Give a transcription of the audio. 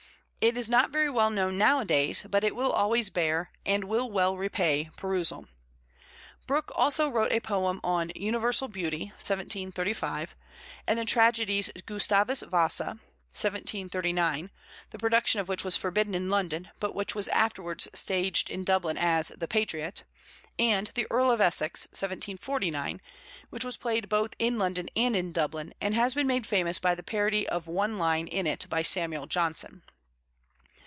It is not very well known nowadays, but it will always bear, and will well repay, perusal. Brooke also wrote a poem on Universal Beauty (1735) and the tragedies Gustavus Vasa (1739), the production of which was forbidden in London but which was afterwards staged in Dublin as The Patriot, and The Earl of Essex (1749), which was played both in London and in Dublin, and has been made famous by the parody of one line in it by Samuel Johnson.